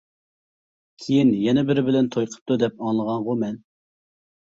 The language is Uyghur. -كىيىن يەنە بىرى بىلەن توي قىپتۇ دەپ ئاڭلىغانغۇ مەن.